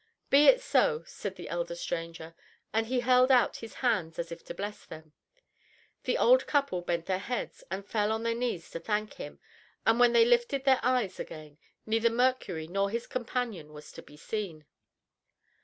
"Be it so," said the elder stranger, and he held out his hands as if to bless them. The old couple bent their heads and fell on their knees to thank him, and when they lifted their eyes again, neither Mercury nor his companion was to be seen.